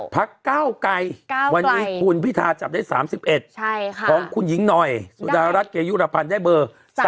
พักเก้าไกรวันนี้คุณพิธาจับได้๓๑ของคุณหญิงหน่อยสุดารัฐเกยุรพันธ์ได้เบอร์